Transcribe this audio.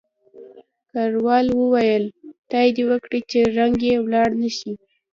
کراول وویل، خدای دې وکړي چې رنګ یې ولاړ نه شي.